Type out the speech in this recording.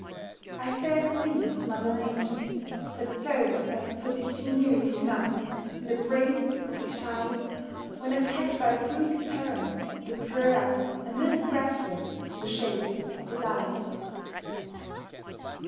I thank thee, Mother Nature, that thou hast put ingenuity enough in the brain of a child, when attacked by a brutal parent, to throw up a little breastwork in the shape of a lie.